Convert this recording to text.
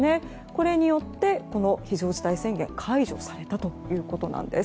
これによって、この非常事態宣言解除されたということです。